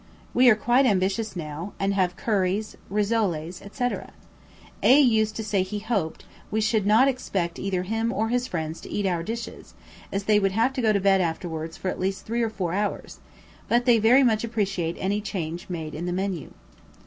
We are quite ambitious now, and have curries, rissoles, etc. A used to say he hoped, we should not expect either him or his friends to eat our dishes, as they would have to go to bed afterwards for at least three or four hours; but they very much appreciate any change made in the menu.